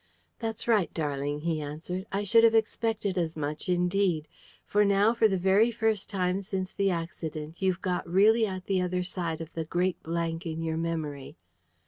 "That's right, darling," he answered. "I should have expected as much, indeed. For now for the very first time since the accident you've got really at the other side of the great blank in your memory."